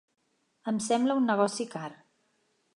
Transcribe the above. Em sembla un negoci car.